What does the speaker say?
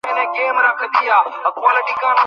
তারা অনেক পরিবারকে ধ্বংস করেছে।